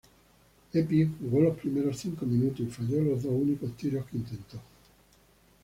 Epi jugó los primeros cinco minutos y falló los dos únicos tiros que intentó.